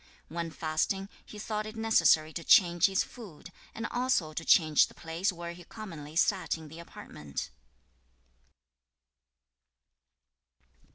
2. When fasting, he thought it necessary to change his food, and also to change the place where he commonly sat in the apartment.